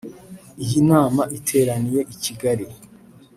Iyi nama iteraniye i Kigali